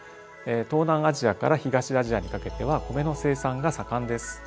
東南アジアから東アジアにかけては米の生産が盛んです。